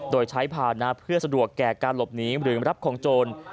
โดยใช้ภานะเพื่อสะดวกแก่การหลบหนีหรือรับของโจร